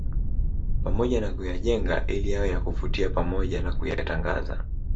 Pamoja na kuyajenga ili yawe ya kuvutia pamoja na kuyatangaza